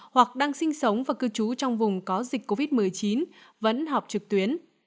hoặc đang sinh sống và cư trú trong vùng có dịch covid một mươi chín vẫn họp trực tuyến